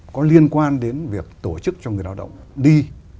có liên quan đến việc tổ chức cho người lao động đi